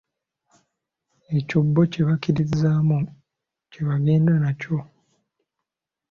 Ekyo bbo kye bakkiririzaamu, kye bagenda nakyo.